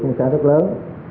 cũng sẽ rất lớn